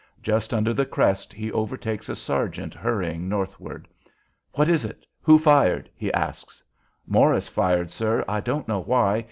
Just under the crest he overtakes a sergeant hurrying northward. "What is it? Who fired?" he asks. "Morris fired, sir: I don't know why.